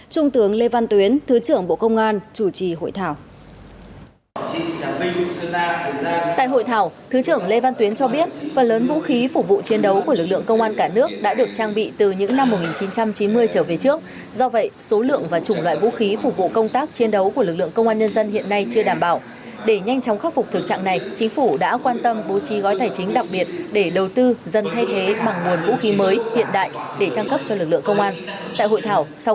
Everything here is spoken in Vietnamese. trung tướng lê văn tuyến thứ trưởng bộ công an chủ trì hội thảo